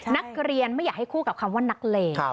นักเรียนไม่อยากให้คู่กับคำว่านักเลง